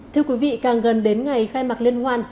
thưa quý vị càng gần đến ngày khai mạc liên hoan